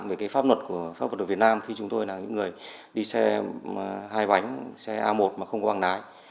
về cái pháp luật của pháp luật ở việt nam khi chúng tôi là những người đi xe hai bánh xe a một mà không có bằng lái